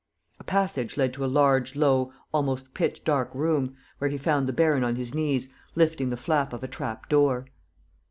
... A passage led to a large, low, almost pitch dark room, where he found the baron on his knees, lifting the flap of a trap door.